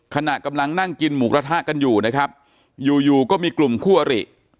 ขณะกำลังนั่งกินหมูกระทะกันอยู่นะครับอยู่อยู่ก็มีกลุ่มคู่อริ